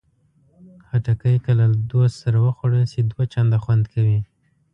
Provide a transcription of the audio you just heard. خټکی که له دوست سره وخوړل شي، دوه چنده خوند کوي.